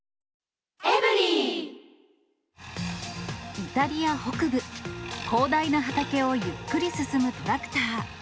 イタリア北部、広大な畑をゆっくり進むトラクター。